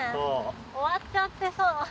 終わっちゃってそう。